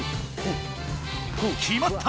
きまった！